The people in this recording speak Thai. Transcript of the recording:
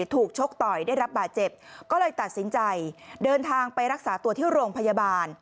ชกต่อยได้รับบาดเจ็บก็เลยตัดสินใจเดินทางไปรักษาตัวที่โรงพยาบาล